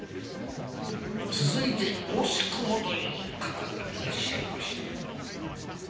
続いて「惜しくも」という方がいらっしゃいました。